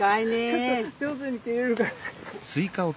ちょっと上手に切れるかな。